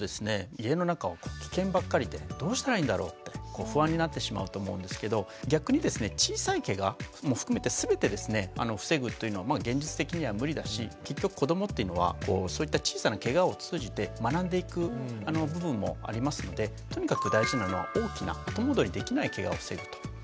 家の中はキケンばっかりでどうしたらいいんだろうって不安になってしまうと思うんですけど逆にですね小さいケガも含めて全てですね防ぐというのは現実的には無理だし結局子どもっていうのはそういった小さなケガを通じて学んでいく部分もありますのでとにかく大事なのは大きな後戻りできないケガを防ぐということですね。